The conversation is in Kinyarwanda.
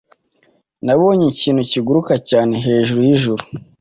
nabonye ikintu kiguruka cyane hejuru yijuru